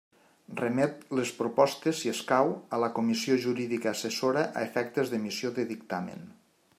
Remet les propostes, si escau, a la Comissió Jurídica Assessora a efectes d'emissió de dictamen.